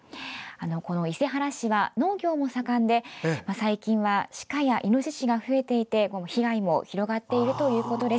伊勢原市は農業も盛んで最近は鹿や、いのししが増えていて被害が広がっているということです。